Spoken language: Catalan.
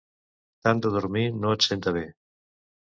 Tant de dormir no et senta bé.